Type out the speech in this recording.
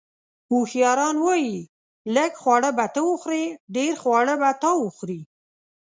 اوښیاران وایي: لږ خواړه به ته وخورې، ډېر خواړه به تا وخوري.